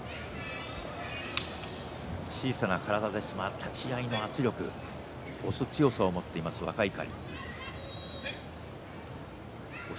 小さな体ですが立ち合いの圧力押す強さを持っている若碇。